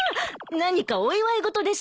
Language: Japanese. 何かお祝い事でしたの？